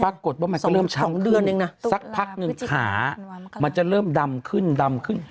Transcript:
ปรากฏว่ามันก็เริ่ม๒เดือนเองนะสักพักหนึ่งขามันจะเริ่มดำขึ้นดำขึ้น